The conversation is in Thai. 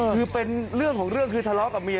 คือเป็นเรื่องของเรื่องคือทะเลาะกับเมีย